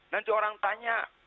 nanti orang tanya